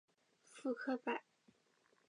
傅科摆